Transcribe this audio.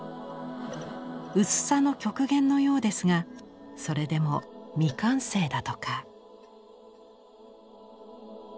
薄さの極限のようですがそれでも未完成だとか。